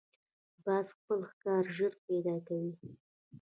باز خپل ښکار ژر پیدا کوي